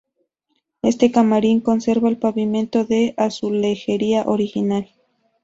Este camarín conserva el pavimento de azulejería original.